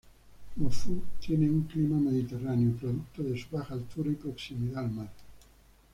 Morphou tiene un clima mediterráneo, producto de su baja altura y proximidad al mar.